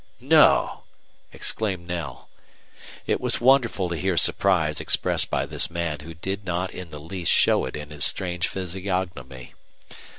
"No!" exclaimed Knell. It was wonderful to hear surprise expressed by this man that did not in the least show it in his strange physiognomy.